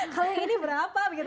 kalau ini berapa begitu